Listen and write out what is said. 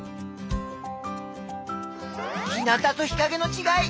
日なたと日かげのちがい